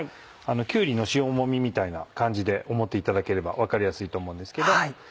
きゅうりの塩もみみたいな感じで思っていただければ分かりやすいと思うんですけど。